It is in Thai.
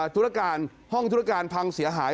ธุรการห้องธุรการพังเสียหาย